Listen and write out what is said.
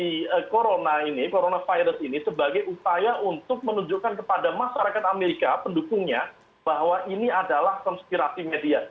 dari corona ini coronavirus ini sebagai upaya untuk menunjukkan kepada masyarakat amerika pendukungnya bahwa ini adalah konspirasi media